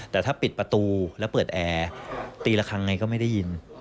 แต่ถ้าปิดประตูแล้วเปิดแอร์ตีละครั้งไงก็ไม่ได้ยิน